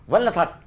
vẫn là thật